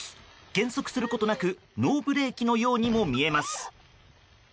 減速することなくノーブレーキのようにも見えます。